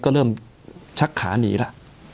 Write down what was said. ก็เริ่มชักขาหนีแล้ว